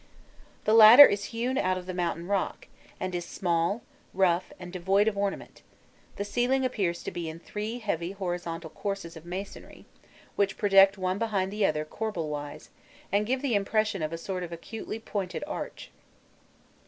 The latter is hewn out of the mountain rock, and is small, rough, and devoid of ornament: the ceiling appears to be in three heavy horizontal courses of masonry, which project one beyond the other corbel wise, and give the impression of a sort of acutely pointed arch.